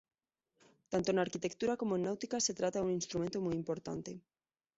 Tanto en arquitectura como en náutica se trata de un instrumento muy importante.